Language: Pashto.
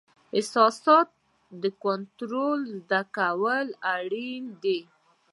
احساساتو کنټرول زده کول اړین دي.